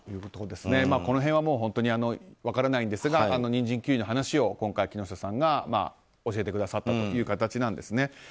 この辺は本当に分からないんですがニンジン、キュウリの話を今回木下さんが教えてくださったという形なんです。